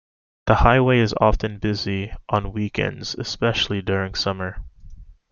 The highway is often busy on weekends, especially during summer.